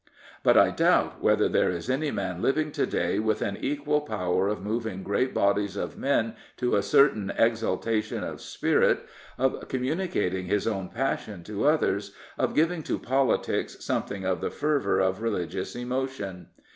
But I doubt whether there is any man living to day with an equal power of moving great bodies of men to a certain exaltation of spirit, of communicating his own passion to others, of giving to politics something of the fervour of religious emotion.